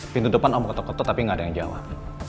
pintu depan om ketok ketok tapi gak ada yang jawab